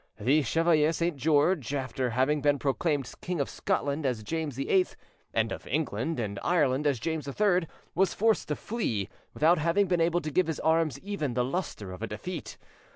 The Chevalier Saint George, after having been proclaimed King of Scotland as James VIII, and of England and Ireland as James III, was forced to flee, without having been able to give his arms even the lustre of a defeat.